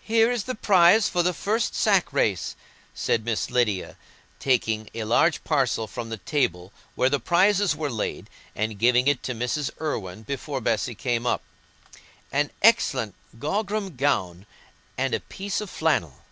"Here is the prize for the first sack race," said Miss Lydia, taking a large parcel from the table where the prizes were laid and giving it to Mrs. Irwine before Bessy came up, "an excellent grogram gown and a piece of flannel."